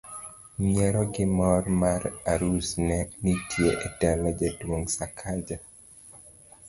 nyiero gi mor mar arus ne nitie e dala jaduong' Sakaja